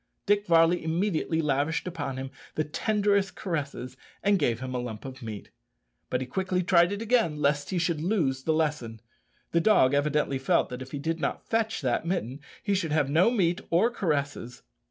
Dick Varley immediately lavished upon him the tenderest caresses and gave him a lump of meat. But he quickly tried it again lest he should lose the lesson. The dog evidently felt that if he did not fetch that mitten he should have no meat or caresses.